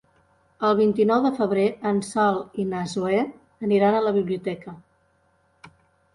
El vint-i-nou de febrer en Sol i na Zoè aniran a la biblioteca.